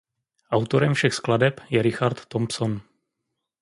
Autorem všech skladeb je Richard Thompson.